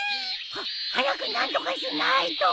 はっ早く何とかしないと！